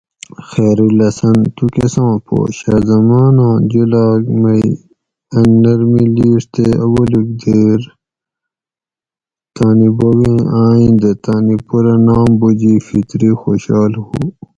خیرالحسن تو کساں پو؟ شاہ زماناں جولاگ مے ان نرمی لِیڛ تے اولوک دیر تانی بوبیں آئیں دہ تانی پورہ نام بوجی فطری خوشال ہُو